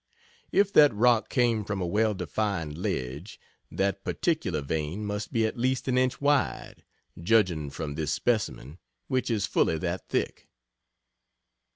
If that rock came from a well defined ledge, that particular vein must be at least an inch wide, judging from this specimen, which is fully that thick.